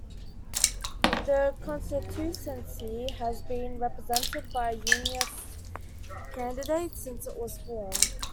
The constituency has been represented by Unionist candidates since it was formed.